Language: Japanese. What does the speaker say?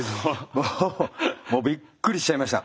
もうびっくりしちゃいました。